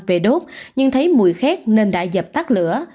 về đốt nhưng thấy mùi khét nên đã dập tắt lửa